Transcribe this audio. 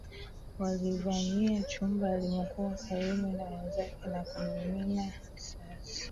Walivamia chumba alimokuwa Karume na wenzake na kumimina risasi